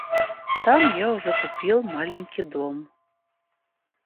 Там я уже купил маленький дом.